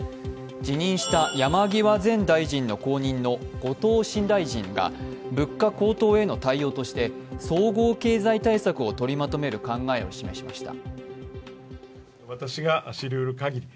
辞任した山際前大臣の後任の後藤新大臣が物価高騰への対応として総合経済対策をとりまとめる考えを示しました。